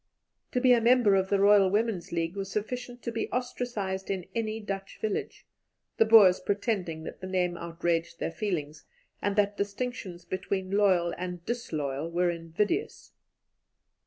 To be a member of the Loyal Women's League was sufficient to be ostracized in any Dutch village, the Boers pretending that the name outraged their feelings, and that distinctions between loyal and disloyal were invidious.